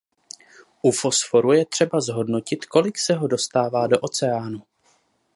U fosforu je třeba zhodnotit kolik se ho dostává do oceánu.